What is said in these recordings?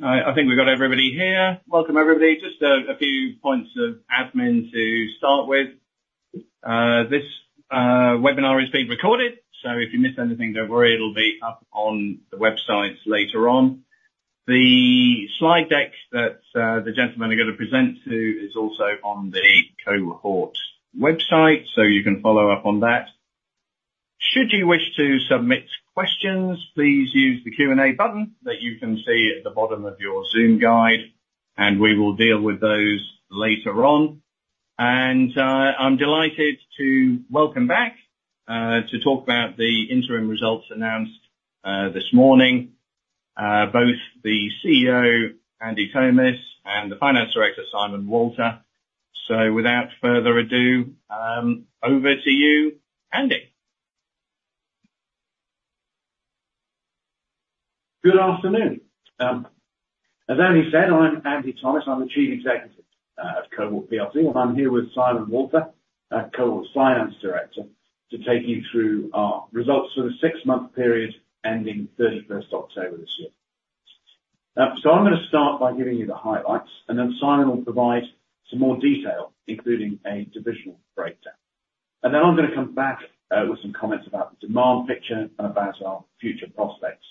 Right, I think we've got everybody here. Welcome, everybody. Just a few points of admin to start with. This webinar is being recorded, so if you miss anything, don't worry, it'll be up on the websites later on. The slide deck that the gentlemen are gonna present to is also on the Cohort website, so you can follow up on that. Should you wish to submit questions, please use the Q&A button that you can see at the bottom of your Zoom guide, and we will deal with those later on. And I'm delighted to welcome back to talk about the interim results announced this morning both the CEO, Andy Thomis, and the Finance Director, Simon Walther. So without further ado, over to you, Andy. Good afternoon. As Andy said, I'm Andrew Thomis. I'm the Chief Executive of Cohort plc, and I'm here with Simon Walther, Cohort's Finance Director, to take you through our results for the six-month period ending thirty-first October this year. So I'm gonna start by giving you the highlights, and then Simon will provide some more detail, including a divisional breakdown. Then I'm gonna come back with some comments about the demand picture and about our future prospects.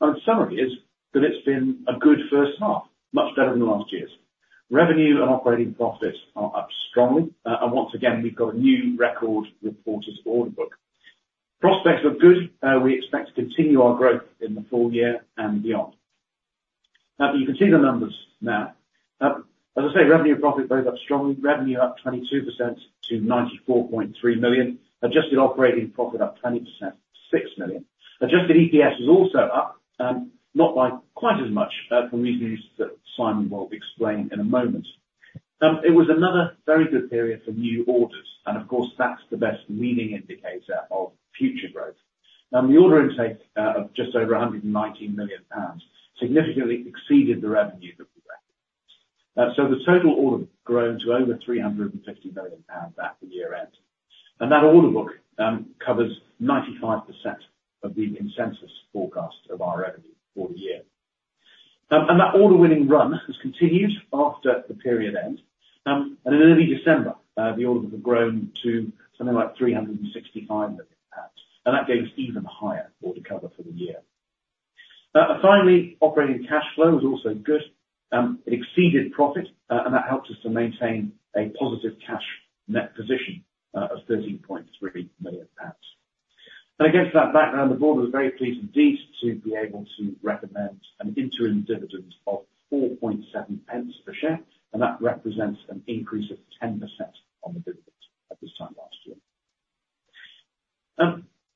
Our summary is that it's been a good first half, much better than the last years. Revenue and operating profits are up strongly. And once again, we've got a new record with quarters order book. Prospects look good. We expect to continue our growth in the full year and beyond. You can see the numbers now. As I say, revenue and profit both up strongly. Revenue up 22% to 94.3 million. Adjusted operating profit up 20%, 6 million. Adjusted EPS is also up, not by quite as much, for reasons that Simon will explain in a moment. It was another very good period for new orders, and of course, that's the best leading indicator of future growth. Now, the order intake of just over 119 million pounds significantly exceeded the revenue that we recognized. So the total order grew to over 350 million pounds at the year end. That order book covers 95% of the consensus forecast of our revenue for the year. That order winning run has continued after the period end. And in early December, the orders have grown to something like 365 million pounds, and that gave us even higher order cover for the year. Finally, operating cash flow is also good. It exceeded profit, and that helps us to maintain a positive cash net position of 13.3 million pounds. And against that background, the board was very pleased indeed to be able to recommend an interim dividend of 4.7% per share, and that represents an increase of 10% on the dividends at this time last year.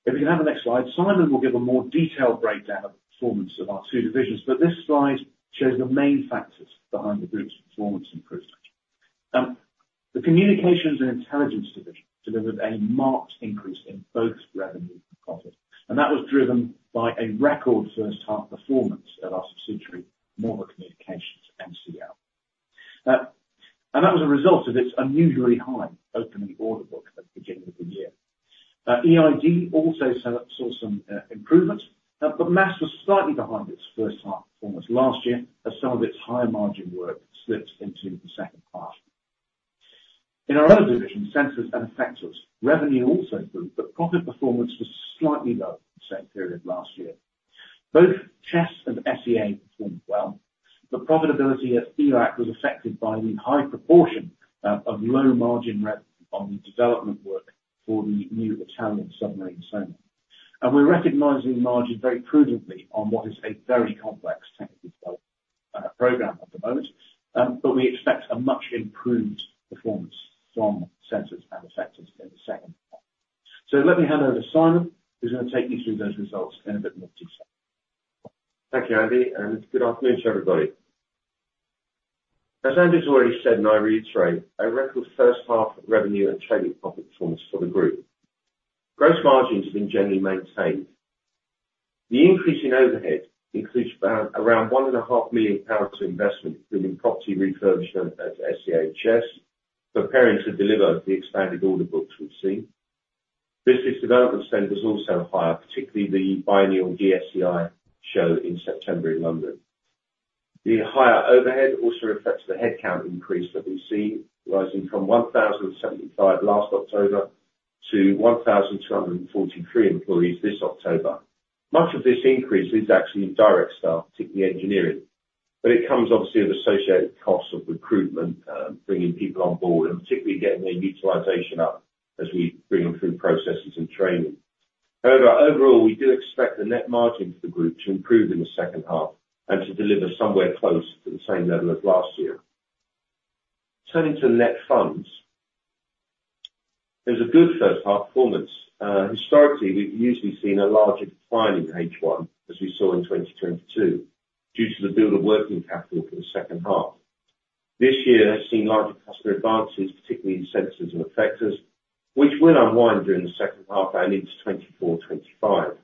If you can have the next slide, Simon will give a more detailed breakdown of the performance of our two divisions, but this slide shows the main factors behind the group's performance improvement. The Communications and Intelligence division delivered a marked increase in both revenue and profit, and that was driven by a record first half performance of our subsidiary, Marlborough Communications, MCL. And that was a result of its unusually high opening order book at the beginning of the year. EID also saw some improvement, but MASS was slightly behind its first half performance last year, as some of its higher margin work slipped into the second half. In our other division, Sensors and Effectors, revenue also grew, but profit performance was slightly lower than the same period last year. Both Chess and SEA performed well. The profitability of ELAC was affected by the high proportion of low margin rev on the development work for the new Italian submarine sale. And we're recognizing margin very prudently on what is a very complex technical program at the moment. But we expect a much improved performance from Sensors and Effectors in the second half. So let me hand over to Simon, who's going to take you through those results in a bit more detail. Thank you, Andy, and good afternoon to everybody. As Andy has already said, and I reiterate, a record first half revenue and trading profit performance for the group. Gross margins have been generally maintained. The increase in overhead includes around 1.5 million pounds of investment, including property refurbishment at SEA's, preparing to deliver the expanded order books we've seen. Business development spend was also higher, particularly the biennial DSEI show in September in London. The higher overhead also reflects the headcount increase that we've seen, rising from 1,075 last October to 1,243 employees this October. Much of this increase is actually in direct staff, particularly engineering, but it comes obviously with associated costs of recruitment, bringing people on board and particularly getting their utilization up as we bring them through processes and training. However, overall, we do expect the net margin for the group to improve in the second half and to deliver somewhere close to the same level as last year. Turning to net funds, it was a good first half performance. Historically, we've usually seen a larger decline in H1, as we saw in 2022, due to the build of working capital for the second half. This year has seen larger customer advances, particularly in Sensors and Effectors, which will unwind during the second half and into 2024, 2025.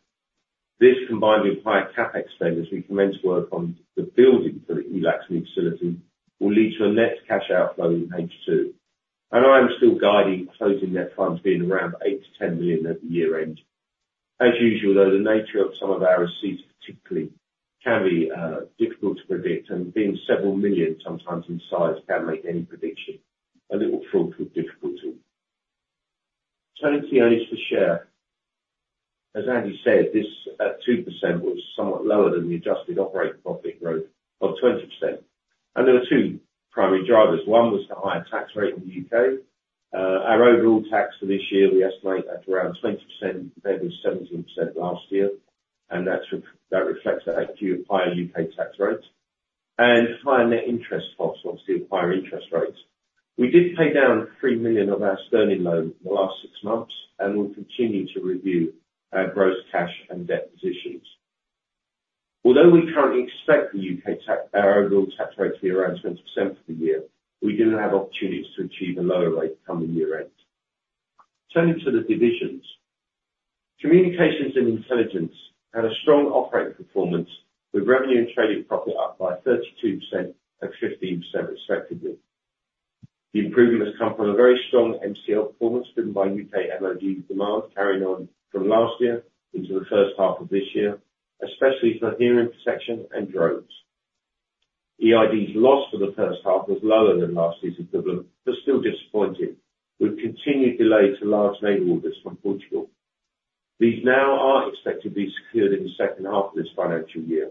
This, combined with higher CapEx spend, as we commence work on the building for the ELAC facility, will lead to a net cash outflow in H2. And I am still guiding closing net funds being around 8-10 million at the year end. As usual, though, the nature of some of our receipts particularly, can be, difficult to predict, and being several million sometimes in size, can make any prediction a little fraught with difficulty. Turning to earnings per share, as Andy said, this, at 2%, was somewhat lower than the adjusted operating profit growth of 20%, and there were two primary drivers. One was the higher tax rate in the U.K. Our overall tax for this year, we estimate at around 20%, compared with 17% last year, and that reflects the acute higher U.K. tax rates and higher net interest costs, obviously with higher interest rates. We did pay down 3 million of our sterling loan in the last six months, and we'll continue to review our gross cash and debt positions. Although we currently expect the U.K. tax, our overall tax rate, to be around 20% for the year, we do have opportunities to achieve a lower rate coming year end. Turning to the divisions. Communications and intelligence had a strong operating performance, with revenue and trading profit up by 32% and 15% respectively. The improvement has come from a very strong MCL performance, driven by U.K. MOD demand, carrying on from last year into the first half of this year, especially for hearing protection and drones. EID's loss for the first half was lower than last year's equivalent, but still disappointing, with continued delay to large naval orders from Portugal. These now are expected to be secured in the second half of this financial year.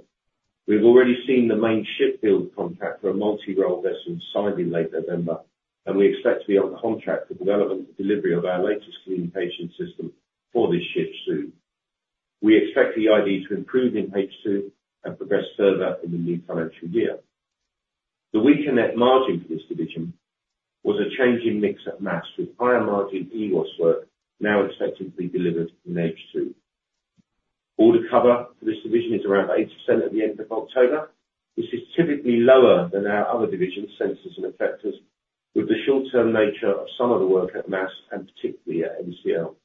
We've already seen the main ship build contract for a multi-role vessel signed in late November, and we expect to be on contract for development and delivery of our latest communication system for this ship soon. We expect the EID to improve in H2 and progress further in the new financial year. The weaker net margin for this division was a change in mix at MASS, with higher margin EWOS work now expected to be delivered in H2. Order cover for this division is around 80% at the end of October, which is typically lower than our other divisions, Sensors and Effectors, with the short-term nature of some of the work at MASS and particularly at MCL.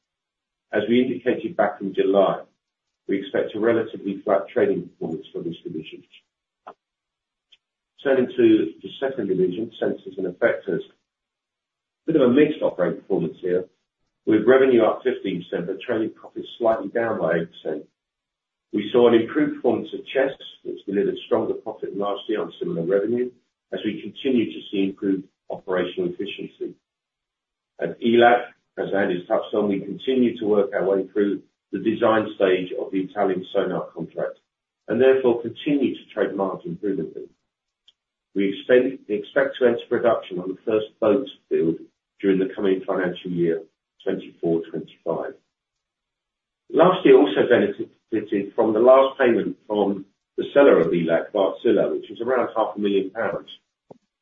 As we indicated back in July, we expect a relatively flat trading performance for this division. Turning to the second division, Sensors and Effectors. Bit of a mixed operating performance here, with revenue up 15%, but trading profit is slightly down by 8%. We saw an improved performance at Chess, which delivered stronger profit, largely on similar revenue, as we continue to see improved operational efficiency. At ELAC, as Andy's touched on, we continue to work our way through the design stage of the Italian sonar contract, and therefore continue to trade margin brilliantly. We expect, we expect to enter production on the first boats build during the coming financial year, 2024, 2025. Lastly, also benefited from the last payment from the seller of ELAC, Wärtsilä, which was around 500,000 pounds.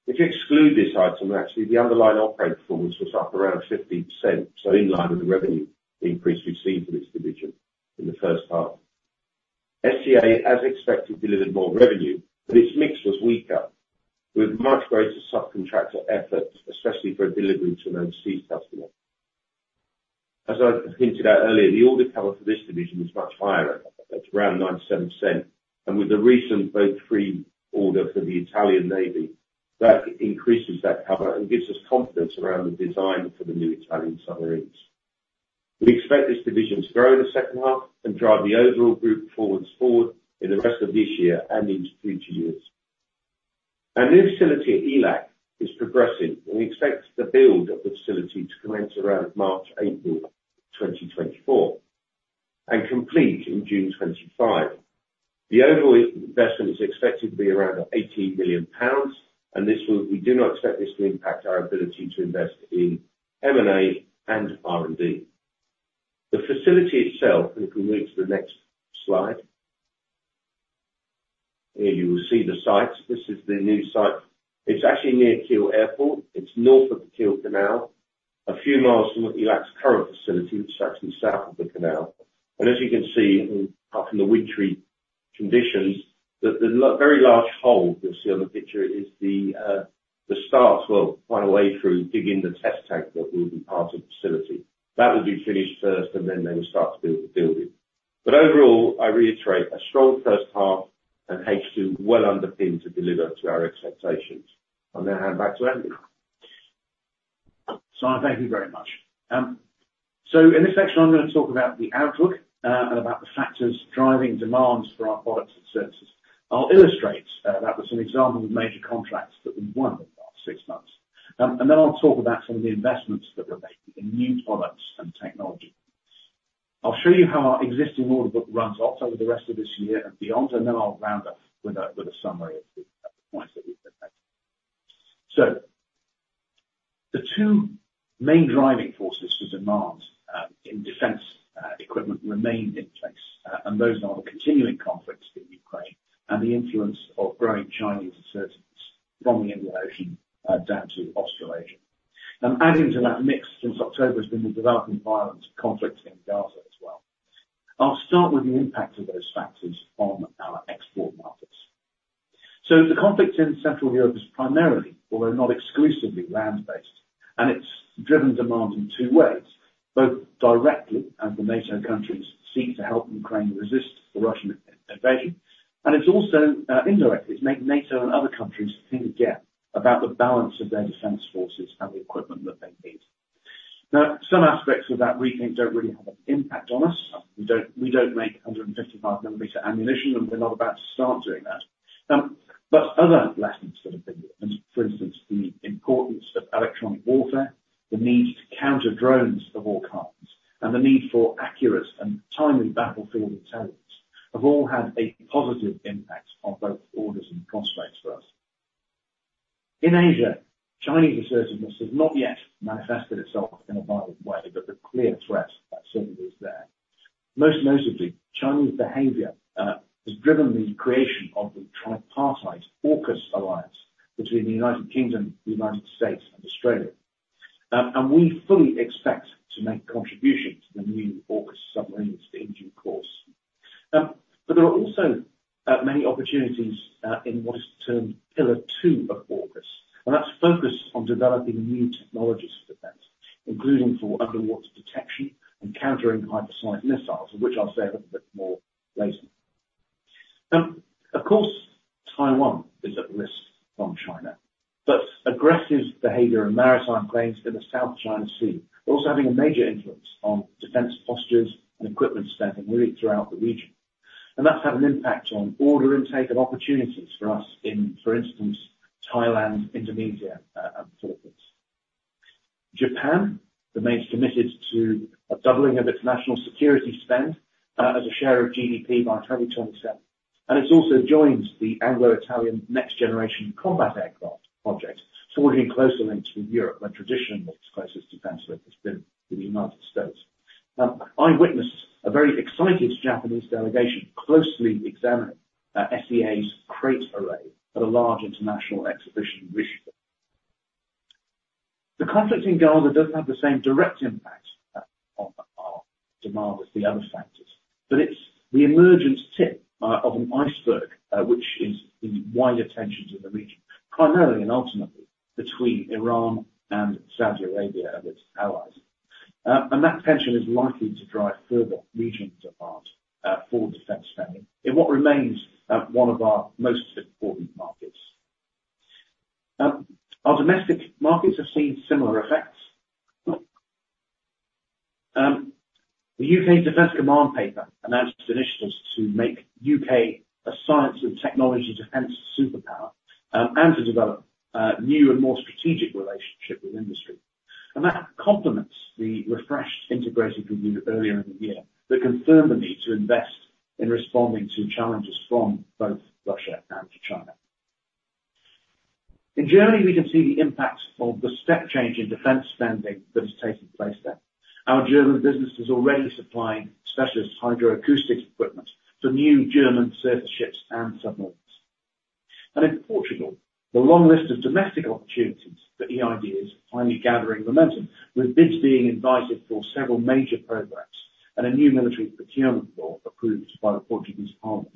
If you exclude this item, actually, the underlying operating performance was up around 15%, so in line with the revenue increase we've seen from this division in the first half. SEA, as expected, delivered more revenue, but its mix was weaker, with much greater subcontractor efforts, especially for delivery to an overseas customer. As I hinted at earlier, the order cover for this division is much higher. It's around 97%, and with the recent Boat Three order for the Italian Navy, that increases that cover and gives us confidence around the design for the new Italian submarines. We expect this division to grow in the second half and drive the overall group forwards, forward in the rest of this year and into future years. Our new facility at ELAC is progressing, and we expect the build of the facility to commence around March, April 2024, and complete in June 2025. The overall investment is expected to be around 18 million pounds, and this will. We do not expect this to impact our ability to invest in M&A and R&D. The facility itself, and if we move to the next slide, here you will see the site. This is the new site. It's actually near Kiel Airport. It's north of the Kiel Canal, a few miles from the ELAC's current facility, which is actually south of the canal. As you can see, apart from the wintry conditions, the very large hole you'll see on the picture is the start. Find a way through digging the test tank that will be part of the facility. That will be finished first, and then they will start to build the building. Overall, I reiterate a strong first half and H2 well underpinned to deliver to our expectations. I'm going to hand back to Andy. Simon, thank you very much. So in this section, I'm going to talk about the outlook, and about the factors driving demands for our products and services. I'll illustrate that with some examples of major contracts that we've won in the last six months. And then I'll talk about some of the investments that we're making in new products and technology. I'll show you how our existing order book runs out over the rest of this year and beyond, and then I'll round up with a, with a summary of the, of the points that we've been making. So the two main driving forces for demand, in defense, equipment remained in place, and those are the continuing conflicts in Ukraine and the influence of growing Chinese assertiveness from the Indian Ocean, down to Australasia. Now, adding to that mix since October, has been the developing violent conflicts in Gaza as well. I'll start with the impact of those factors on our export markets. So the conflict in Central Europe is primarily, although not exclusively, land-based, and it's driven demand in two ways... both directly, as the NATO countries seek to help Ukraine resist the Russian invasion, and it's also, indirectly, it's made NATO and other countries think again about the balance of their defense forces and the equipment that they need. Now, some aspects of that rethink don't really have an impact on us. We don't, we don't make 155-millimeter ammunition, and we're not about to start doing that. But other lessons that have been, for instance, the importance of electronic warfare, the need to counter drones of all kinds, and the need for accurate and timely battlefield intelligence, have all had a positive impact on both orders and prospects for us. In Asia, Chinese assertiveness has not yet manifested itself in a violent way, but the clear threat certainly is there. Most notably, SEA's KraitArray at a large international exhibition in Rishwa. The conflict in Gaza doesn't have the same direct impact on our demand as the other factors, but it's the emergent tip of an iceberg which is the wider tensions in the region, primarily and ultimately between Iran and Saudi Arabia and its allies. And that tension is likely to drive further regional demand for defense spending in what remains one of our most important markets. Our domestic markets have seen similar effects. The U.K. Defense Command Paper announced initiatives to make U.K. a science and technology defense superpower, and to develop a new and more strategic relationship with industry. That complements the refreshed Integrated Review earlier in the year, that confirm the need to invest in responding to challenges from both Russia and China. In Germany, we can see the impact of the step change in defense spending that has taken place there. Our German business is already supplying specialist hydroacoustic equipment to new German surface ships and submarines. And in Portugal, the long list of domestic opportunities that EID is finally gathering momentum, with bids being invited for several major programs and a new military procurement law approved by the Portuguese parliament.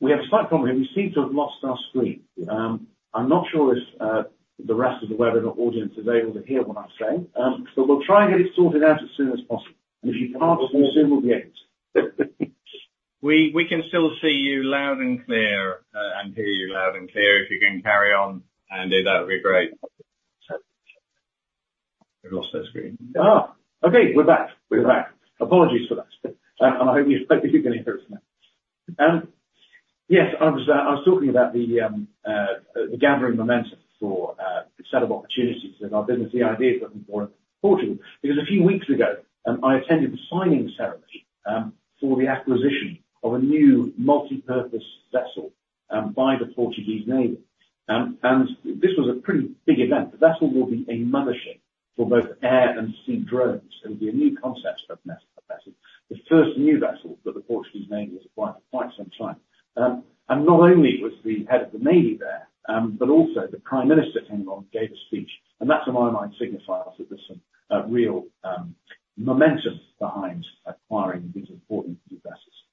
We have a slight problem here. We seem to have lost our screen. I'm not sure if the rest of the webinar audience is able to hear what I'm saying, but we'll try and get it sorted out as soon as possible. And if you can't, we soon will be able to. We can still see you loud and clear, and hear you loud and clear. If you can carry on, Andy, that would be great. We've lost our screen. Okay, we're back. We're back. Apologies for that, and I hope you can hear it now. Yes, I was talking about the gathering momentum for the set of opportunities that our business, EID, is looking for in Portugal, because a few weeks ago, I attended the signing ceremony for the acquisition of a new multipurpose vessel by the Portuguese Navy. And this was a pretty big event. The vessel will be a mothership for both air and sea drones, and be a new concept of vessel. The first new vessel that the Portuguese Navy has acquired for quite some time. Not only was the head of the navy there, but also the Prime Minister came along and gave a speech, and that, in my mind, signifies that there's some real momentum behind acquiring these important new vessels.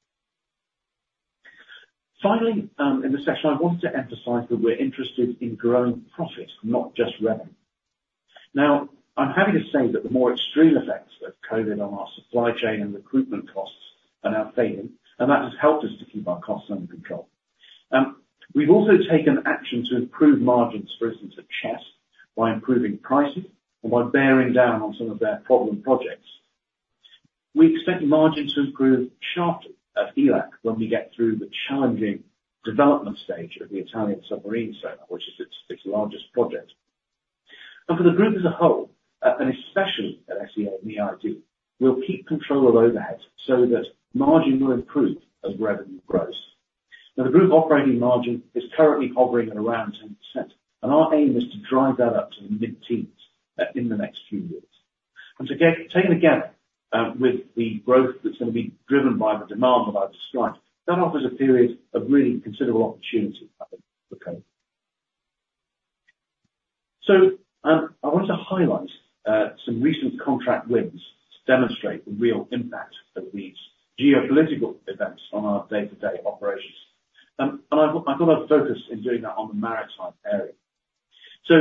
Finally, in the session, I want to emphasize that we're interested in growing profit, not just revenue. Now, I'm happy to say that the more extreme effects of COVID on our supply chain and recruitment costs are now fading, and that has helped us to keep our costs under control. We've also taken action to improve margins, for instance, at Chess, by improving pricing and by bearing down on some of their problem projects. We expect margins to improve sharply at ELAC when we get through the challenging development stage of the Italian submarine program, which is its, its largest project. For the group as a whole, and especially at SEA and EID, we'll keep control of overhead so that margin will improve as revenue grows. Now, the group operating margin is currently hovering at around 10%, and our aim is to drive that up to the mid-teens in the next few years. And again, taken together, with the growth that's going to be driven by the demand that I've described, that offers a period of really considerable opportunity I think for Cohort. So, I want to highlight some recent contract wins to demonstrate the real impact of these geopolitical events on our day-to-day operations. And I've got a focus in doing that on the maritime area. So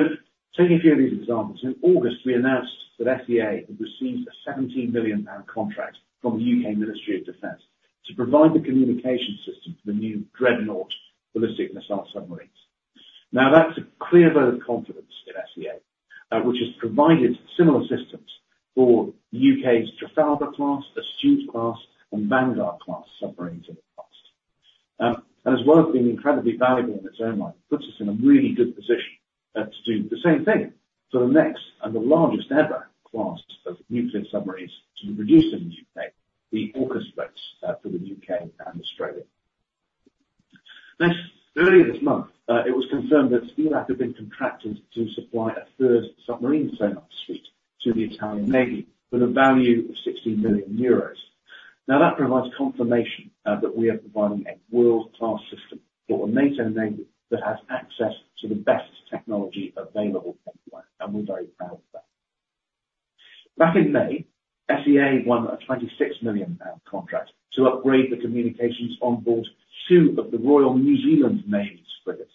taking a few of these examples, in August, we announced that SEA had received a GBP 17 million contract from the U.K. Ministry of Defense, to provide the communication system for the new Dreadnought ballistic missile submarines. Now, that's a clear vote of confidence in SEA, which has provided similar systems for the U.K.'s Trafalgar class, the Astute class, and Vanguard class submarines in the past. And as well as being incredibly valuable in its own right, it puts us in a really good position, to do the same thing for the next, and the largest ever, class of nuclear submarines to be produced in the U.K., the AUKUS class, for the U.K. and Australia. Next, earlier this month, it was confirmed that ELAC had been contracted to supply a third submarine sonar suite to the Italian Navy with a value of 60 million euros. Now, that provides confirmation, that we are providing a world-class system for a NATO navy, that has access to the best technology available anywhere, and we're very proud of that. Back in May, SEA won a 26 million contract to upgrade the communications on board two of the Royal New Zealand Navy's frigates.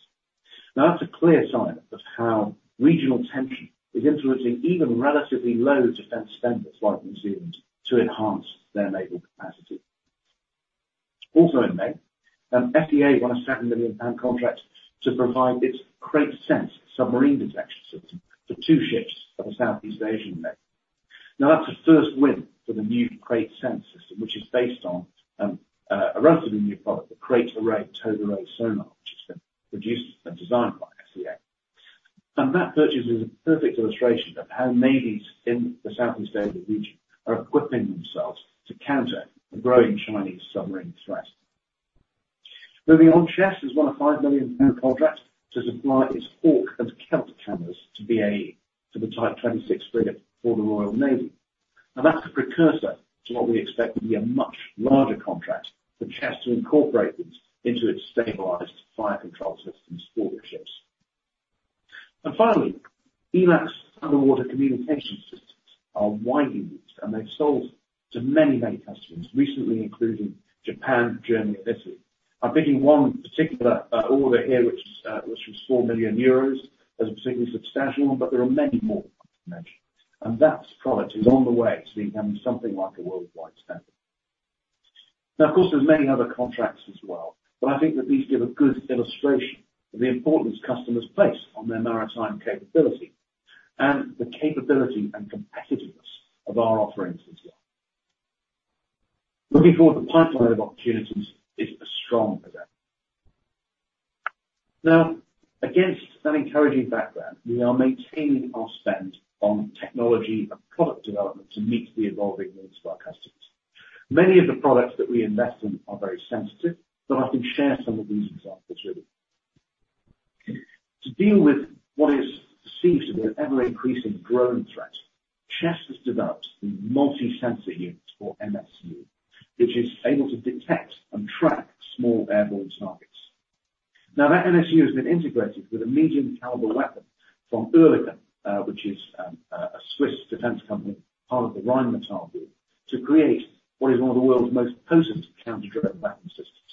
Now, that's a clear sign of how regional tension is influencing even relatively low defense spenders, like New Zealand, to enhance their naval capacity. Also in May, SEA won a GBP 7 million contract to provide its KraitSense submarine detection system to two ships of the Southeast Asian Navy. Now, that's a first win for the new KraitSense system, which is based on a relatively new product, the KraitArray towed array sonar, which has been produced and designed by SEA. And that purchase is a perfect illustration of how navies in the Southeast Asian region are equipping themselves to counter the growing Chinese submarine threat. Moving on, Chess has won a 5 million contract to supply its Orcus and Selt cameras to BAE, to the Type 26 frigate for the Royal Navy. Now, that's a precursor to what we expect will be a much larger contract for Chess to incorporate this into its stabilized fire control systems for their ships. And finally, ELAC's underwater communication systems are widely used, and they've sold to many, many customers, recently, including Japan, Germany, and Italy. I think in one particular order here, which is, which was 4 million euros, is a particularly substantial one, but there are many more I could mention, and that product is on the way to becoming something like a worldwide standard. Now, of course, there's many other contracts as well, but I think that these give a good illustration of the importance customers place on their maritime capability, and the capability and competitiveness of our offerings as well. Looking forward, the pipeline of opportunities is as strong as ever. Now, against that encouraging background, we are maintaining our spend on technology and product development to meet the evolving needs of our customers. Many of the products that we invest in are very sensitive, but I can share some of these examples with you. To deal with what is perceived to be an ever-increasing drone threat, Chess has developed the Multi-Sensor Unit, or MSU, which is able to detect and track small airborne targets. Now, that MSU has been integrated with a medium caliber weapon from Oerlikon, which is a Swiss defense company, part of the Rheinmetall group, to create what is one of the world's most potent counter-drone weapon systems.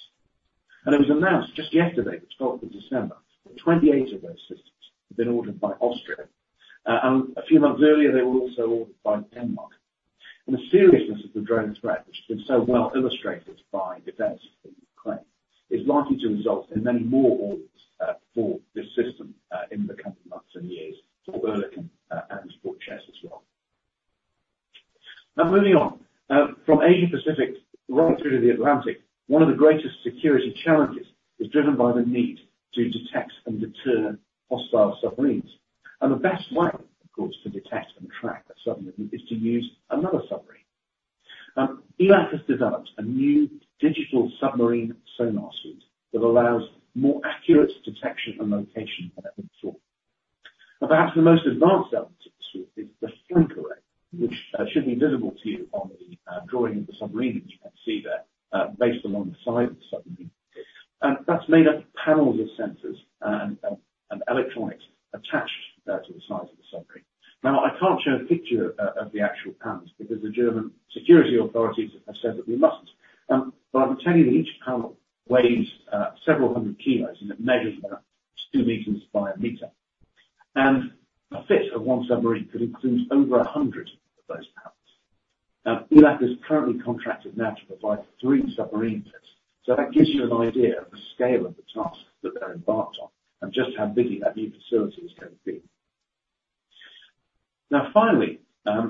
And it was announced just yesterday, the twelfth of December, that 28 of those systems have been ordered by Austria. A few months earlier, they were also ordered by Denmark. The seriousness of the drone threat, which has been so well illustrated by events in Ukraine, is likely to result in many more orders for this system in the coming months and years, for Oerlikon and for Chess as well. Now, moving on. From Asia Pacific right through to the Atlantic, one of the greatest security challenges is driven by the need to detect and deter hostile submarines. The best way, of course, to detect and track a submarine is to use another submarine. ELAC has developed a new digital submarine sonar suite that allows more accurate detection and location than ever before. But perhaps the most advanced element to the suite is the Flank Array, which should be visible to you on the drawing of the submarine that you can see there, based along the side of the submarine. That's made of panels of sensors and electronics attached to the sides of the submarine. Now, I can't show a picture of the actual panels, because the German security authorities have said that we mustn't. But I can tell you that each panel weighs several hundred kilos and it measures about 2 meters by 1 meter. A fit of one submarine could include over 100 of those panels. Now, ELAC is currently contracted to provide 3 submarine sets, so that gives you an idea of the scale of the task that they're embarked on, and just how big that new facility is going to be. Now, finally, a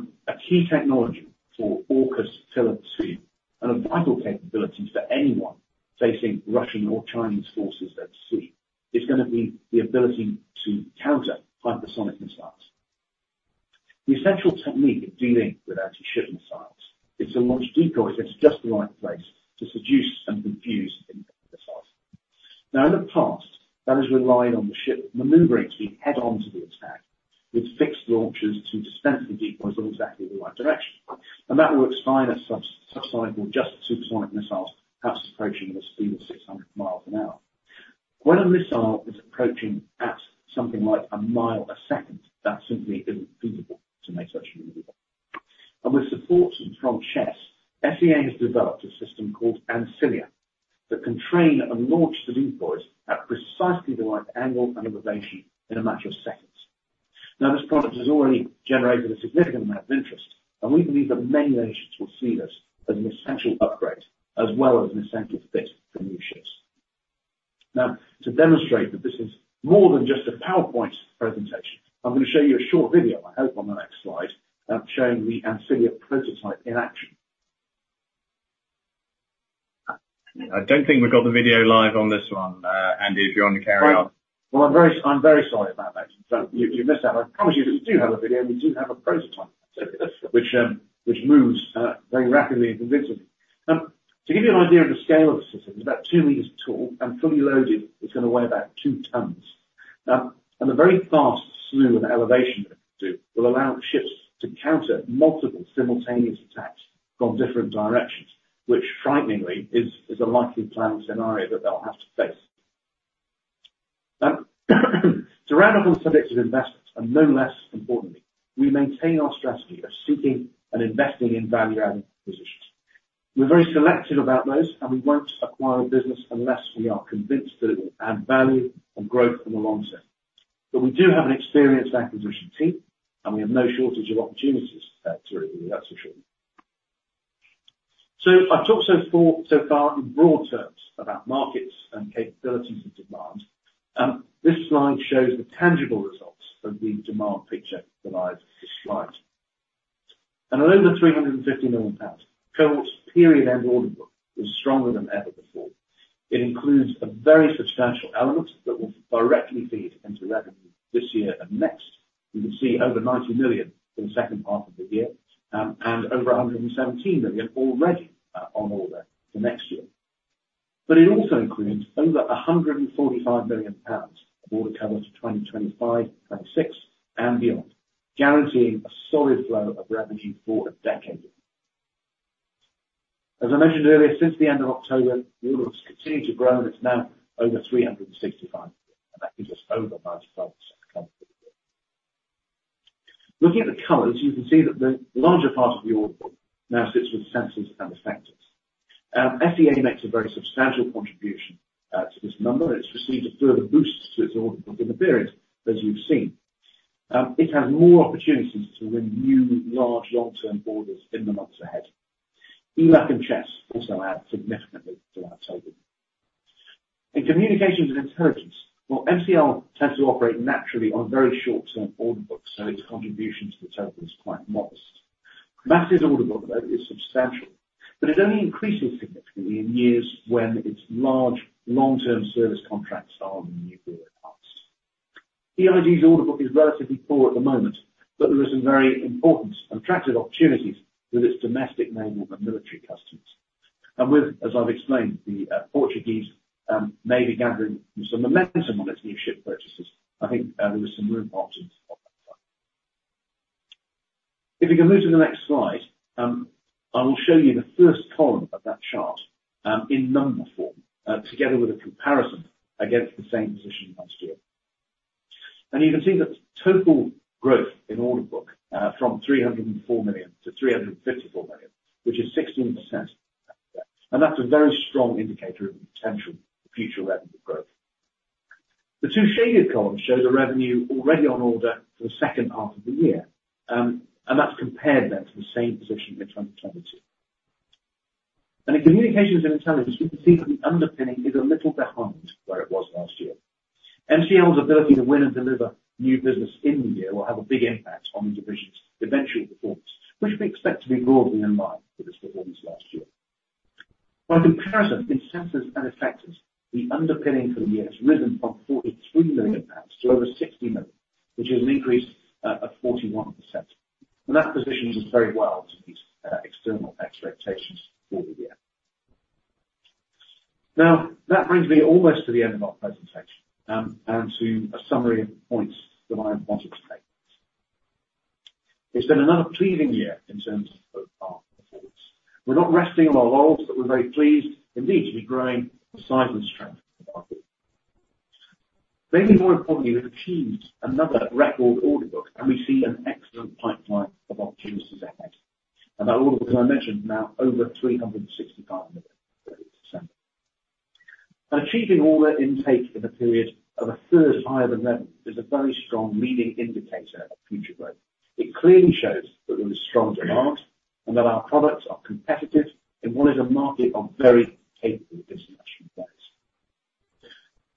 key technology for Orcus philosophy, and a vital capability for anyone facing Russian or Chinese forces at sea, is gonna be the ability to counter hypersonic missiles. The essential technique of dealing with anti-ship missiles is to launch decoys at just the right place to seduce and confuse the missile. Now, in the past, that has relied on the ship maneuvering to be head on to the attack, with fixed launchers to dispense the decoys in exactly the right direction. And that works fine as subsonic or just supersonic missiles, perhaps approaching the speed of 600 miles an hour. When a missile is approaching at something like a mile a second, that simply isn't feasible to make such a maneuver. And with support from Chess, SEA has developed a system called Ancilia, that can train and launch the decoys at precisely the right angle and elevation in a matter of seconds. Now, this product has already generated a significant amount of interest, and we believe that many nations will see this as an essential upgrade, as well as an essential fit for new ships. Now, to demonstrate that this is more than just a PowerPoint presentation, I'm gonna show you a short video, I hope, on the next slide, showing the Ancilia prototype in action. I don't think we've got the video live on this one, Andy, if you want to carry on. Well, I'm very sorry about that. So you missed out. I promise you, we do have a video, and we do have a prototype, which moves very rapidly and convincingly. To give you an idea of the scale of the system, it's about two meters tall and fully loaded, it's gonna weigh about two tons. And the very fast slew and elevation it can do will allow ships to counter multiple simultaneous attacks from different directions, which frighteningly is a likely planned scenario that they'll have to face. So radical selective investments are no less importantly. We maintain our strategy of seeking and investing in value-adding acquisitions. We're very selective about those, and we won't acquire a business unless we are convinced that it will add value and growth in the long term. But we do have an experienced acquisition team, and we have no shortage of opportunities to review, that's for sure. So I've talked so far in broad terms about markets and capabilities and demand. This slide shows the tangible results of the demand picture that I've described. And at over 350 million pounds, Cohort's period-end order book is stronger than ever before. It includes a very substantial element that will directly feed into revenue this year and next. You can see over 90 million for the second half of the year, and over 117 million already on order for next year. But it also includes over 145 million pounds of order cover to 2025, 2026, and beyond, guaranteeing a solid flow of revenue for a decade. As I mentioned earlier, since the end of October, the order book has continued to grow, and it's now over 365, and that is just over 9.5% complete. Looking at the colors, you can see that the larger part of the order book now sits with Sensors and Effectors. SEA makes a very substantial contribution to this number. It's received a further boost to its order book in the period, as you've seen. It has more opportunities to win new, large, long-term orders in the months ahead. ELAC and Chess also add significantly to our total. In Communications and Intelligence, well, MCL tends to operate naturally on very short-term order books, so its contribution to the total is quite modest. MASS's order book, though, is substantial, but it only increases significantly in years when its large, long-term service contracts are in the nuclear parts. EID's order book is relatively poor at the moment, but there are some very important and attractive opportunities with its domestic naval and military customers. With, as I've explained, the Portuguese may be gathering some momentum on its new ship purchases, I think there is some real opportunities on that front. If you can move to the next slide, I will show you the first column of that chart in number form together with a comparison against the same position last year. You can see that total growth in order book from 304 million-354 million, which is 16%. That's a very strong indicator of potential future revenue growth. The two shaded columns show the revenue already on order for the second half of the year, and that's compared then, to the same position in 2022. In Communications and Intelligence, we can see that the underpinning is a little behind where it was last year. MCL's ability to win and deliver new business in the year will have a big impact on the division's eventual performance, which we expect to be broadly in line with its performance last year. By comparison, in Sensors and Effectors, the underpinning for the year has risen from 43 million pounds to over 60 million, which is an increase of 41%. That positions us very well to meet external expectations for the year. Now, that brings me almost to the end of our presentation, and to a summary of the points that I wanted to make. It's been another pleasing year in terms of our performance. We're not resting on our laurels, but we're very pleased indeed to be growing the size and strength of our group. Maybe more importantly, we've achieved another record order book, and we see an excellent pipeline of opportunities ahead. And our order book, as I mentioned, now over 365 million as at December. And achieving order intake for the period of a third higher than revenue is a very strong leading indicator of future growth. It clearly shows that there is strong demand and that our products are competitive in what is a market of very capable international players.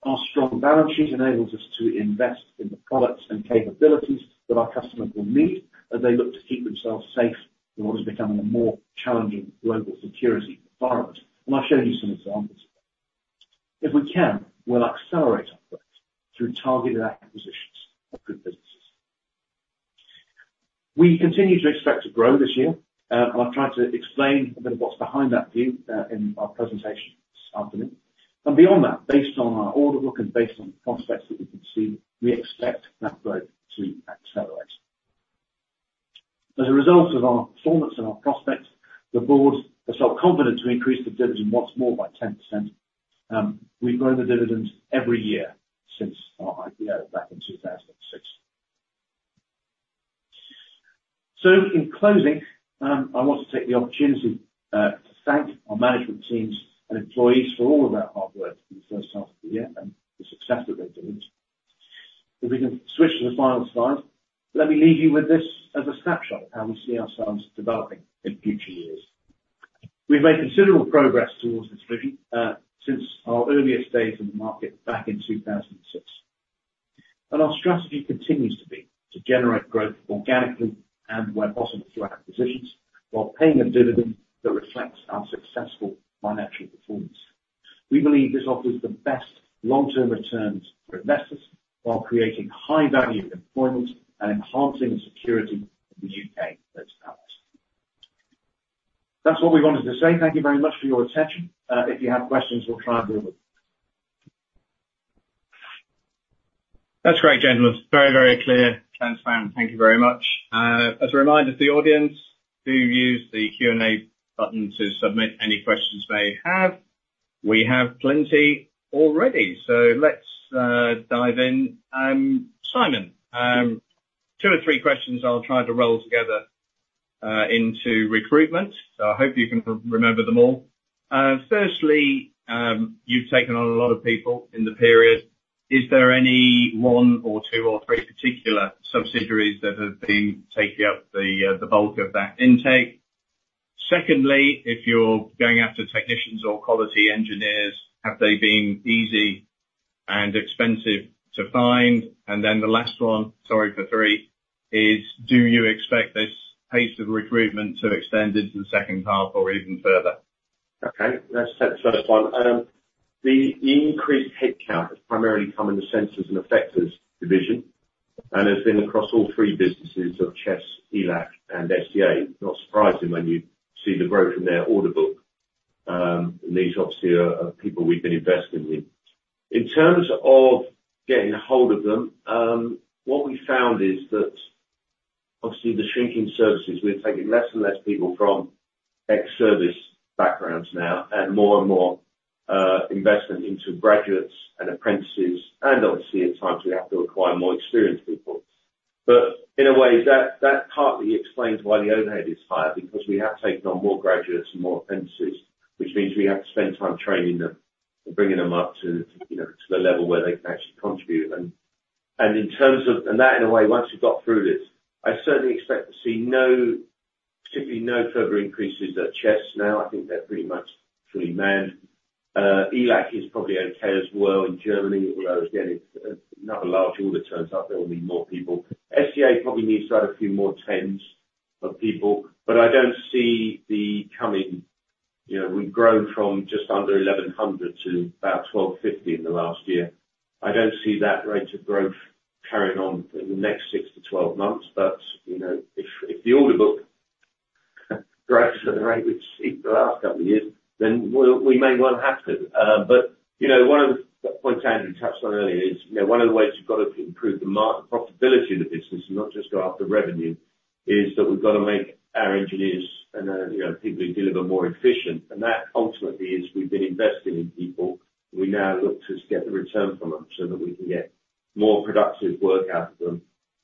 Our strong balance sheet enables us to invest in the products and capabilities that our customers will need as they look to keep themselves safe in what is becoming a more challenging global security environment, and I've shown you some examples. If we can, we'll accelerate our progress through targeted acquisitions of good businesses. We continue to expect to grow this year, and I've tried to explain a bit of what's behind that view, in our presentation this afternoon. And beyond that, based on our order book and based on the prospects that we can see, we expect that growth to accelerate. As a result of our performance and our prospects, the board has felt confident to increase the dividend once more by 10%. We've grown the dividend every year since our IPO back in 2006. In closing, I want to take the opportunity to thank our management teams and employees for all of their hard work in the first half of the year, and the success that they've delivered. If we can switch to the final slide, let me leave you with this as a snapshot of how we see ourselves developing in future years. We've made considerable progress towards this vision since our earliest days in the market back in 2006. Our strategy continues to be to generate growth organically and where possible, through acquisitions, while paying a dividend that reflects our successful financial performance. We believe this offers the best long-term returns for investors, while creating high value employment and enhancing the security of the U.K., that's without. That's all we wanted to say. Thank you very much for your attention. If you have questions, we'll try and deal with them. That's great, gentlemen. Very, very clear, transparent. Thank you very much. As a reminder to the audience, do use the Q&A button to submit any questions they have. We have plenty already, so let's dive in. Simon, two or three questions I'll try to roll together into recruitment, so I hope you can remember them all. Firstly, you've taken on a lot of people in the period. Is there any one or two or three particular subsidiaries that have been taking up the bulk of that intake? Secondly, if you're going after technicians or quality engineers, have they been easy and expensive to find? And then the last one, sorry for three is: Do you expect this pace of recruitment to extend into the second half or even further? Okay, let's take the first one. The increased headcount has primarily come in the Sensors and Effectors division, and has been across all three businesses of Chess, ELAC, and SEA. Not surprising when you see the growth in their order book. And these obviously are people we've been investing in. In terms of getting a hold of them, what we found is that obviously, the shrinking services, we're taking less and less people from ex-service backgrounds now, and more and more investment into graduates and apprentices, and obviously, at times, we have to acquire more experienced people. But in a way, that partly explains why the overhead is higher, because we have taken on more graduates and more apprentices, which means we have to spend time training them and bringing them up to, you know, to the level where they can actually contribute. in a way, once we've got through this, I certainly expect to see no, particularly no further increases at Chess now, I think they're pretty much fully manned. ELAC is probably okay as well in Germany, although again, if another large order turns up, there will be more people. SEA probably needs to add a few more tens of people, but I don't see. You know, we've grown from just under 1,100 to about 1,250 in the last year. I don't see that rate of growth carrying on for the next 6 to 12 months, but, you know, if the order book grows at the rate we've seen for the last couple of years, then we may well have to. But, you know, one of the points Andrew touched on earlier is, you know, one of the ways you've got to improve the profitability of the business, and not just go after revenue, is that we've got to make our engineers and, you know, people who deliver, more efficient. And that ultimately is we've been investing in people, we now look to get the return from them so that we can get more productive work out of them,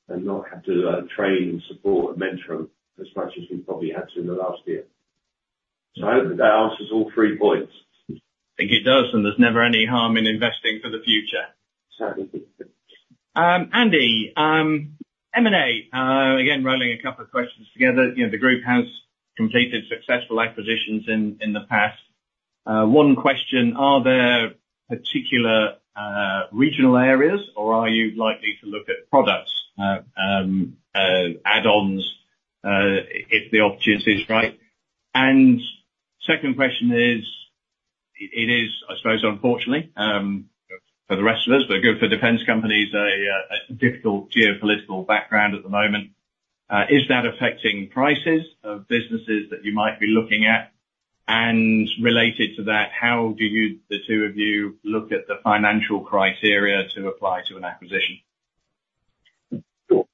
and not have to train, support, and mentor them as much as we probably had to in the last year. So I hope that answers all three points. I think it does, and there's never any harm in investing for the future. Certainly. Andy, M&A. Again, rolling a couple of questions together. You know, the group has completed successful acquisitions in the past. One question, are there particular regional areas, or are you likely to look at products, add-ons, if the opportunity is right? And second question is, it is, I suppose, unfortunately, for the rest of us, but good for defense companies, a difficult geopolitical background at the moment. Is that affecting prices of businesses that you might be looking at? And related to that, how do you, the two of you, look at the financial criteria to apply to an acquisition? Sure.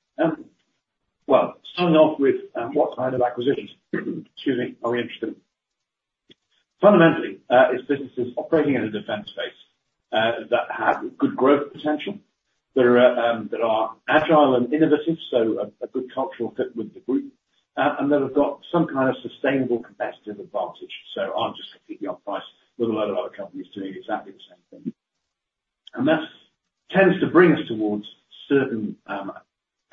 Well, starting off with, what kind of acquisitions, excuse me, are we interested in? Fundamentally, it's businesses operating in the defense space, that have good growth potential, that are, that are agile and innovative, so a, a good cultural fit with the group, and that have got some kind of sustainable competitive advantage. So aren't just completely on price with a lot of other companies doing exactly the same thing. And that tends to bring us towards certain,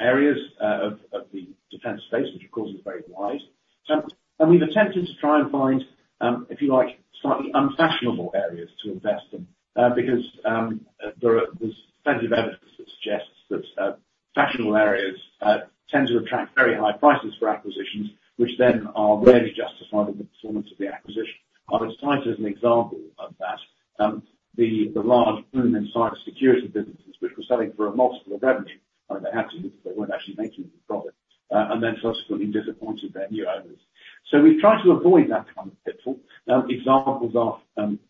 areas, of, of the defense space, which of course is very wide. And we've attempted to try and find, if you like, slightly unfashionable areas to invest in, because there's plenty of evidence that suggests that fashionable areas tend to attract very high prices for acquisitions, which then are rarely justified in the performance of the acquisition. I would cite as an example of that, the large boom in cybersecurity businesses, which were selling for a multiple of revenue, and they had to, because they weren't actually making a profit, and then subsequently disappointing their new owners.... So we've tried to avoid that kind of pitfall. Examples are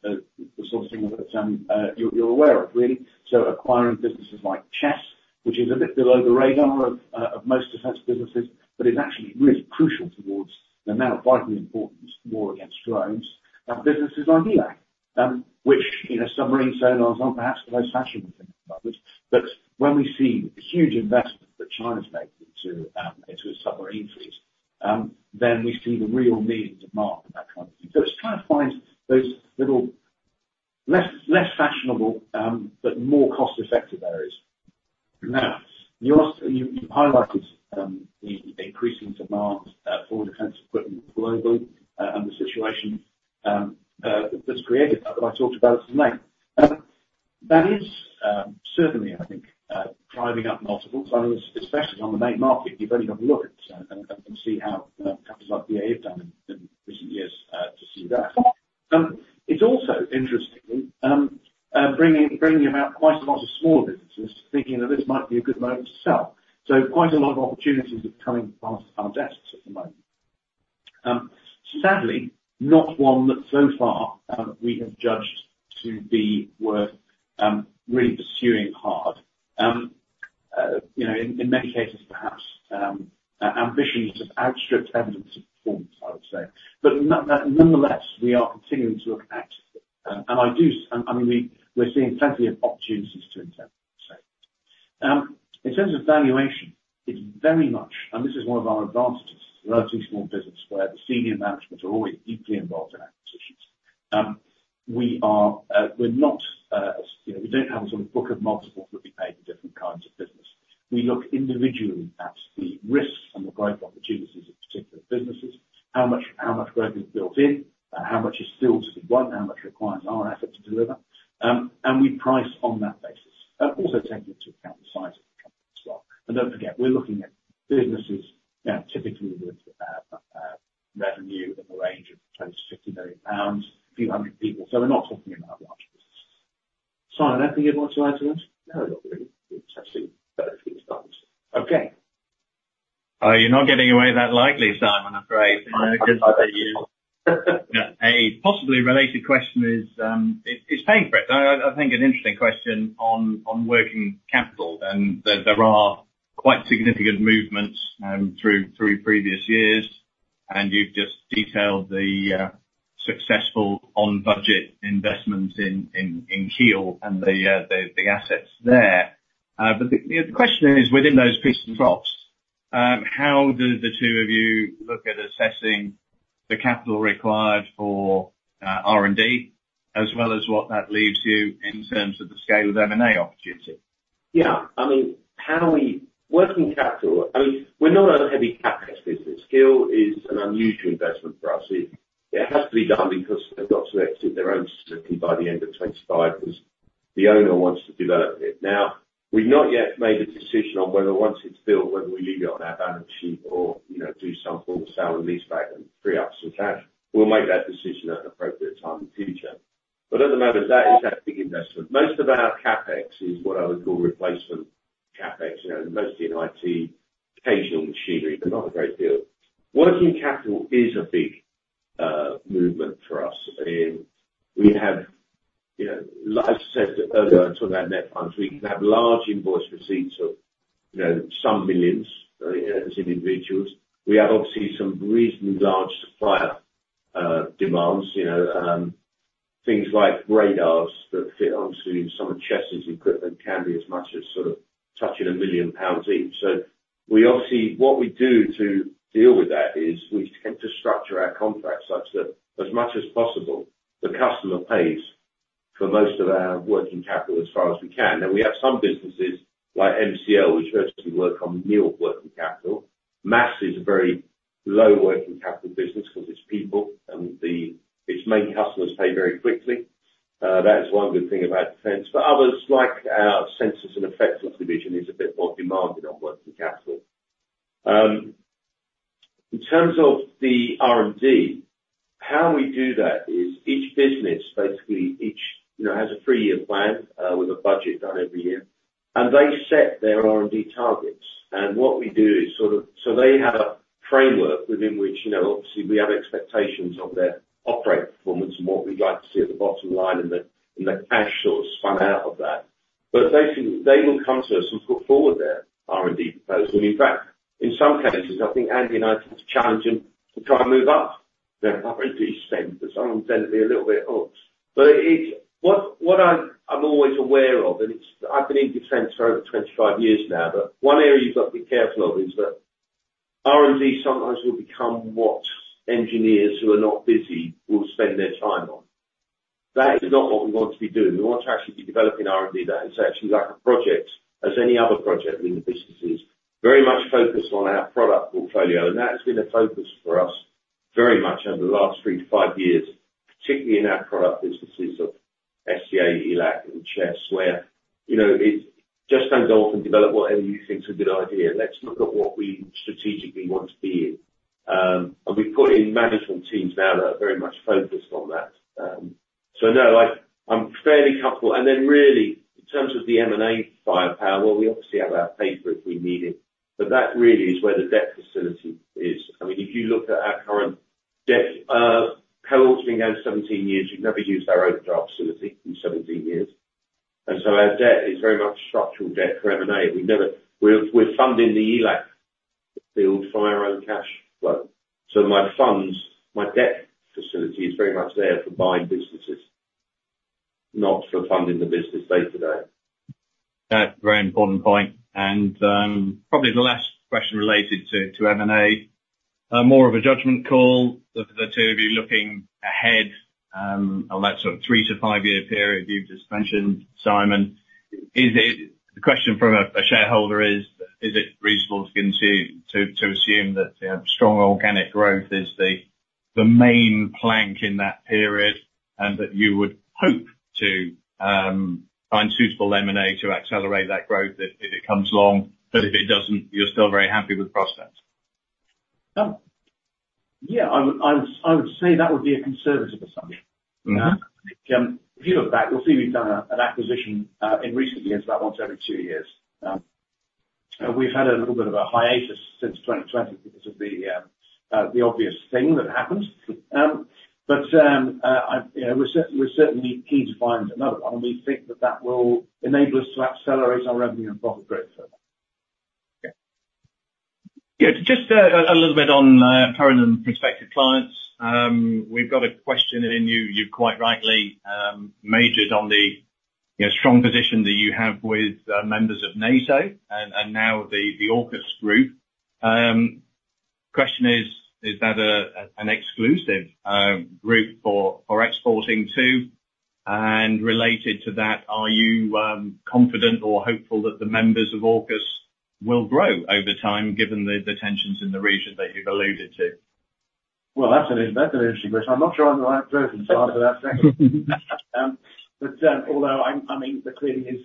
the sort of thing that you're aware of, really. So acquiring businesses like Chess, which is a bit below the radar of most defense businesses, but is actually really crucial towards the now vitally important war against drones, and businesses like ELAC, which, you know, submarine sonars aren't perhaps the most fashionable thing about this, but when we see the huge investment that China's making into its submarine fleet, then we see the real need to mark that kind of thing. So it's trying to find those little less fashionable, but more cost-effective areas. Now, you highlighted the increasing demand for defense equipment globally, and the situation that's created that I talked about this morning. That is certainly, I think, driving up multiples, I mean, especially on the main market. You've only got to look at and see how companies like BAE have done in recent years to see that. It's also interestingly bringing about quite a lot of small businesses thinking that this might be a good moment to sell. So quite a lot of opportunities are coming past our desks at the moment. Sadly, not one that so far we have judged to be worth really pursuing hard. You know, in many cases, perhaps, ambitions have outstripped evidence of performance, I would say. Nonetheless, we are continuing to look at, and I mean, we're seeing plenty of opportunities to invest, so. In terms of valuation, it's very much, and this is one of our advantages, relatively small business, where the senior managements are always deeply involved in acquisitions. We are, we're not, you know, we don't have a sort of book of multiples that we pay for different kinds of business. We look individually how do the two of you look at assessing the capital required for R&D, as well as what that leads you in terms of the scale of M&A opportunity? Yeah. I mean, working capital, I mean, we're not a heavy CapEx business. Kiel is an unusual investment for us. It has to be done because they've got to exit their own facility by the end of 2025, because the owner wants to develop it. Now, we've not yet made a decision on whether once it's built, whether we leave it on our balance sheet or, you know, do some form of sale and lease back and free up some cash. We'll make that decision at an appropriate time in the future. But at the moment, that is that big investment. Most of our CapEx is what I would call replacement CapEx, you know, mostly in IT, occasional machinery, but not a great deal. Working capital is a big movement for us. I mean, we have, you know, like I said earlier, on top of our net funds, we can have large invoice receipts of, you know, some millions GBP, as individuals. We have, obviously, some reasonably large supplier, demands, you know, things like radars that fit onto some of Chess's equipment can be as much as sort of touching 1 million pounds each. So we obviously, what we do to deal with that is, we tend to structure our contracts such that as much as possible, the customer pays for most of our working capital as far as we can. And we have some businesses, like MCL, which virtually work on nil working capital. MASS is a very low working capital business because it's people, and its main customers pay very quickly. That is one good thing about defense. But others, like our Sensors and Effects division, is a bit more demanding on working capital. In terms of the R&D, how we do that is each business, basically, each, you know, has a three-year plan, with a budget done every year, and they set their R&D targets. And what we do is sort of... So they have a framework within which, you know, obviously, we have expectations of their operating performance and what we'd like to see at the bottom line, and the, and the cash flow spun out of that. But basically, they will come to us and put forward their R&D proposal. In fact, in some cases, I think Andy and I have to challenge them to try and move up their R&D spend, but some tend to be a little bit honest. But what I'm always aware of is that I've been in defense for over 25 years now, but one area you've got to be careful of is that R&D sometimes will become what engineers who are not busy will spend their time on. That is not what we want to be doing. We want to actually be developing R&D that is actually like a project, as any other project in the businesses, very much focused on our product portfolio, and that has been a focus for us very much over the last three to five years, particularly in our product businesses of SEA, ELAC, and Chess, where, you know, it just don't go off and develop whatever you think is a good idea. Let's look at what we strategically want to be in. We've got management teams now that are very much focused on that. So no, I'm helpful. Then really, in terms of the M&A firepower, well, we obviously have our paper if we need it, but that really is where the debt facility is. I mean, if you look at our current debt, not ballooning over 17 years, we've never used our overdraft facility in 17 years, and so our debt is very much structural debt for M&A. We're funding the ELAC build by our own cash flow. So my funds, my debt facility is very much there for buying businesses, not for funding the business day-to-day. Very important point. And, probably the last question related to M&A, more of a judgment call for the two of you looking ahead, on that sort of three to five year period you've just mentioned, Simon. Is it— The question from a shareholder is: Is it reasonable to assume, you know, strong organic growth is the main plank in that period, and that you would hope to find suitable M&A to accelerate that growth if it comes along, but if it doesn't, you're still very happy with the process? Yeah, I would say that would be a conservative assumption. Mm-hmm. If you look back, you'll see we've done an acquisition in recent years, about once every two years. We've had a little bit of a hiatus since 2020 because of the obvious thing that happened. But you know, we're certainly keen to find another one, and we think that that will enable us to accelerate our revenue and profit growth. Okay. Yeah, just a little bit on current and prospective clients. We've got a question, and you quite rightly majored on the, you know, strong position that you have with members of NATO and now the AUKUS group. Question is: Is that an exclusive group for exporting to? And related to that, are you confident or hopeful that the members of AUKUS will grow over time, given the tensions in the region that you've alluded to? Well, that's an interesting question. I'm not sure I'm the right person to answer that second. But, I mean, there clearly is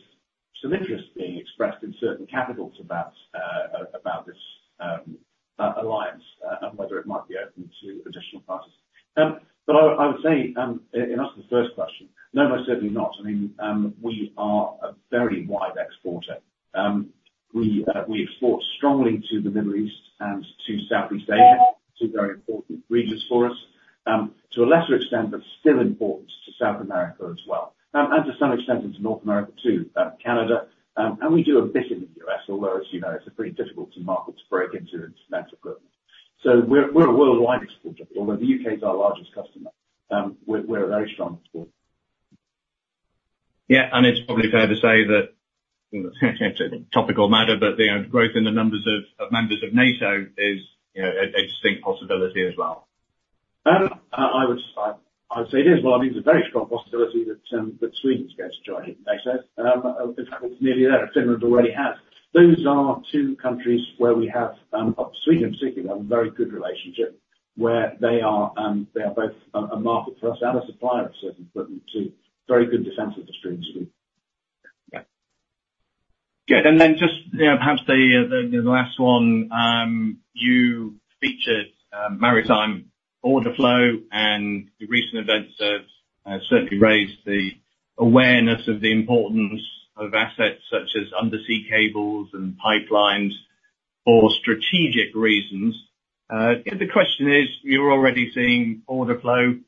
some interest being expressed in certain capitals about this alliance and whether it might be open to additional parties. But I would say, in answer to the first question, no, most certainly not. I mean, we are a very wide exporter. We export strongly to the Middle East and to Southeast Asia, two very important regions for us. To a lesser extent, but still important, to South America as well. And to some extent, into North America, too, Canada. And we do a bit in the U.S., although, as you know, it's a pretty difficult market to break into, it's expensive. So we're a worldwide exporter. Although the U.K. is our largest customer, we're a very strong exporter. Yeah, and it's probably fair to say that, topical matter, but, you know, growth in the numbers of members of NATO is, you know, a distinct possibility as well. I would say it is. Well, I mean, it's a very strong possibility that Sweden is going to join NATO. In fact, it's nearly there. Finland already has. Those are two countries where we have, Sweden particularly, a very good relationship, where they are both a market for us and a supplier of certain equipment, too. Very good defenses for Sweden. Yeah. Good, and then just, you know, perhaps the last one you featured, maritime order flow, and the recent events have certainly raised the awareness of the importance of assets such as undersea cables and pipelines for strategic reasons. The question is, you're already seeing order flow.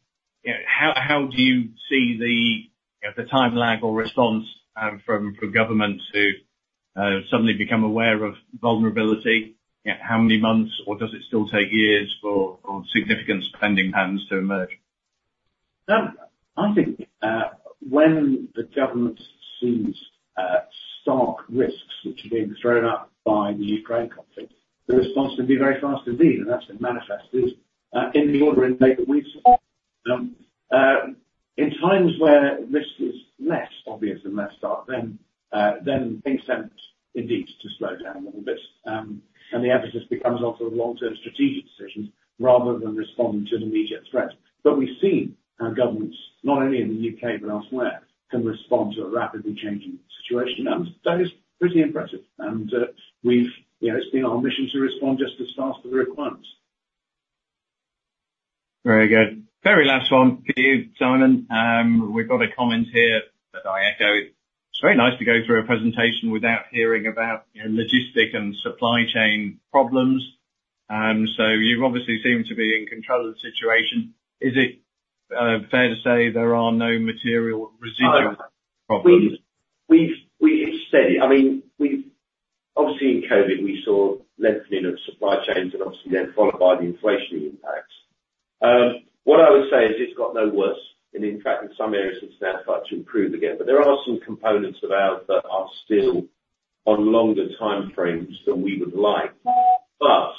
Yeah, how do you see the time lag or response from governments who suddenly become aware of vulnerability? How many months, or does it still take years for significant spending patterns to emerge? I think when the government sees stark risks which are being thrown up by the Ukraine conflict, the response can be very fast indeed, and that's been manifested in the order intake that we've seen. In times where risk is less obvious and less stark, then things tend indeed to slow down a little bit, and the emphasis becomes off the long-term strategic decisions rather than responding to the immediate threat. But we've seen how governments, not only in the U.K., but elsewhere, can respond to a rapidly changing situation, and that is pretty impressive. And, you know, it's been our mission to respond just as fast as the requirements. Very good. Very last one for you, Simon. We've got a comment here that I echo. "It's very nice to go through a presentation without hearing about logistics and supply chain problems." You obviously seem to be in control of the situation. Is it fair to say there are no material residual problems? Obviously, in COVID, we saw lengthening of supply chains and obviously then followed by the inflationary impacts. What I would say is it's got no worse, and in fact, in some areas, it's now started to improve again. But there are some components of ours that are still on longer timeframes than we would like. But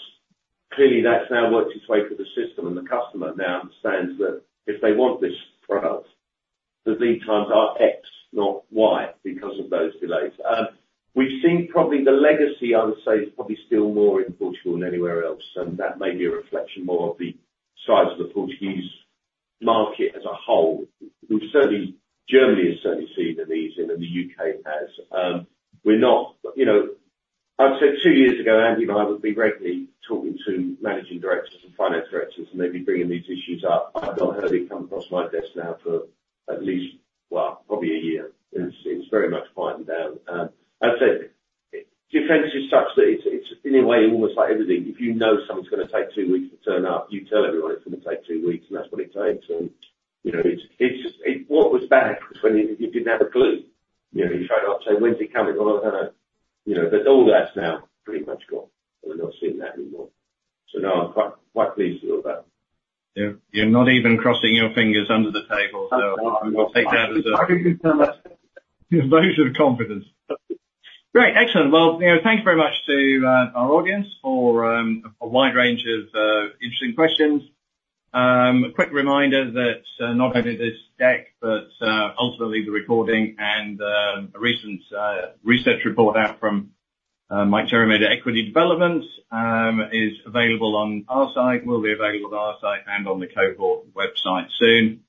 clearly, that's now worked its way through the system, and the customer now understands that if they want this product, the lead times are X, not Y, because of those delays. We've seen probably the legacy, I would say, is probably still more in Portugal than anywhere else, and that may be a reflection more of the size of the Portuguese market as a whole. Germany has certainly seen an easing, and the U.K. has. We're not, you know—I'd say two years ago, Andy and I would be regularly talking to managing directors and finance directors, and they'd be bringing these issues up. I've not heard it come across my desk now for at least, well, probably a year. It's very much winding down. I'd say defense is such that it's, in a way, almost like everything. If you know something's gonna take two weeks to turn up, you tell everyone it's gonna take two weeks, and that's what it takes. And, you know, it's just it—what was bad was when you didn't have a clue, you know? You phone up and say, "When's it coming?" "Well, I don't know." You know, but all that's now pretty much gone. We're not seeing that anymore. So no, I'm quite, quite pleased with all that. You're not even crossing your fingers under the table, so we'll take that as a vote of confidence. Great! Excellent. Well, you know, thanks very much to our audience for a wide range of interesting questions. A quick reminder that not only this deck, but ultimately, the recording and a recent research report out from Mike Tyrrell at Equity Development is available on our site, will be available on our site and on the Cohort website soon.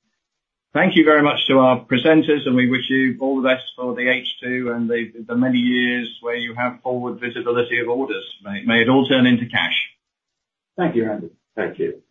Thank you very much to our presenters, and we wish you all the best for the H2 and the many years where you have forward visibility of orders. May it all turn into cash. Thank you, Andy. Thank you.